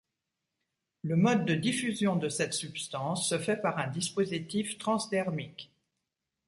Le mode de diffusion de cette substance se fait par un dispositif transdermique.